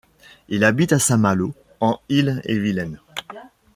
Il habite à Saint-Malo en Ille-et-Vilaine.